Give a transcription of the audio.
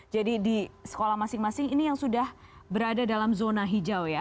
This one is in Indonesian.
jadi di sekolah masing masing ini yang sudah berada dalam zona hijau ya